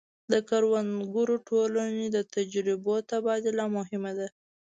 د کروندګرو ټولنې د تجربو تبادله مهمه ده.